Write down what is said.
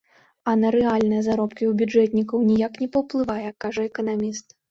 А на рэальныя заробкі ў бюджэтнікаў ніяк не паўплывае, кажа эканаміст.